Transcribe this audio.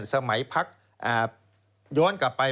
สมัยพักย้อนกลับไป